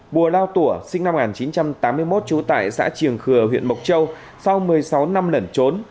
mùa lao tủa sinh năm một nghìn chín trăm tám mươi một trú tại xã triềng khừa huyện mộc châu sau một mươi sáu năm lẩn trốn